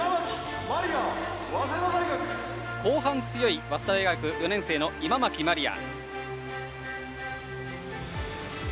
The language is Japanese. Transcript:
後半強い早稲田大学４年生の今牧まりあ。